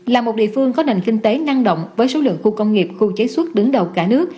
là một địa phương có nền kinh tế năng động với số lượng khu công nghiệp khu chế xuất đứng đầu cả nước